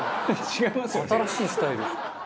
「新しいスタイル」